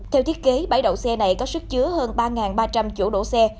theo thiết kế bãi đậu xe này có sức chứa hơn ba ba trăm linh chỗ đổ xe